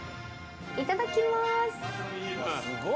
いただきます！